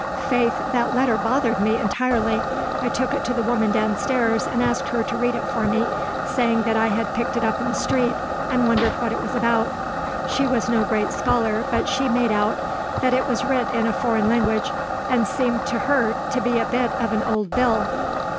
Faith, that letter bothered me, entirely. I took it to the woman downstairs, and asked her to read it for me, saying that I had picked it up in the street, and wondered what it was about. She was no great scholar, but she made out that it was writ in a foreign language, and seemed to her to be a bit of an old bill.